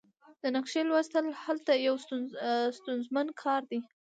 د نقشې لوستل هلته یو ستونزمن کار دی